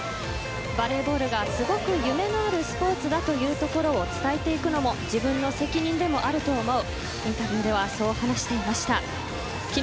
バレーボールがすごく夢のあるスポーツだというところを伝えていくのも自分の責任でもあると思う。